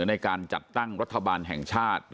ในการจัดตั้งรัฐบาลแห่งชาติ